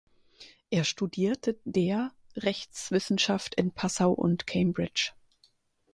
Er studierte der Rechtswissenschaft in Passau und Cambridge.